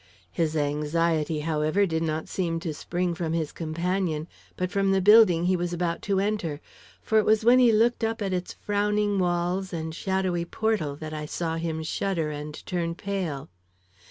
His anxiety, however, did not seem to spring from his companion, but from the building he was about to enter, for it was when he looked up at its frowning walls and shadowy portal that I saw him shudder and turn pale.